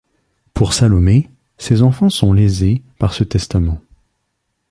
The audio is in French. Pour Salomé, ses enfants sont lésés par ce testament.